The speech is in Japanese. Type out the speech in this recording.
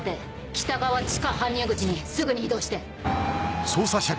北側地下搬入口にすぐに移動して。